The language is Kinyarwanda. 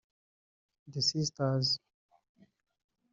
The Sisters